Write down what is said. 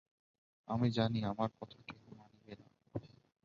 আমি জানি, আমার কথা কেহ মানিবে না।